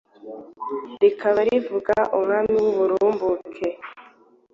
Rikaba rivuga “Umwami w’uburumbuke”.